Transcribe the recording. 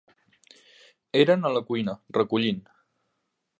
Eren a la cuina, recollint.